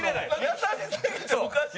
優しすぎておかしい。